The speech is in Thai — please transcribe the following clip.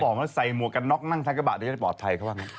เขาบอกว่าใส่หมวกกันน็อกนั่งทางกระบะได้ปลอดภัยเขาว่าไง